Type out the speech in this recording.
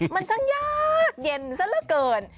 มันยังยากเย็นซะเหลือเกิน